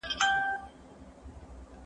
زه پرون کالي ومينځل!